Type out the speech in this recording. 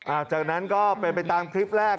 จากนั้นก็เป็นไปตามคลิปแรก